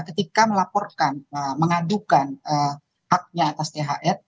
ketika melaporkan mengadukan haknya atas thr